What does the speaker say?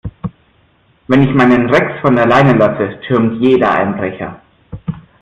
Wenn ich meinen Rex von der Leine lasse, türmt jeder Einbrecher.